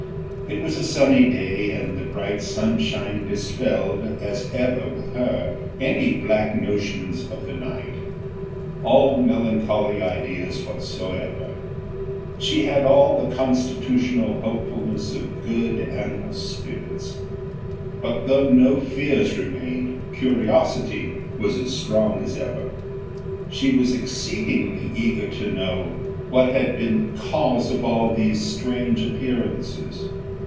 It was a sunny day, and the bright sunshine dispelled, as ever with her, any black notions of the night, all melancholy ideas whatsoever. She had all the constitutional hopefulness of good animal spirits. But though no fears remained, curiosity was as strong as ever. She was exceedingly eager to know what had been the cause of all these strange appearances.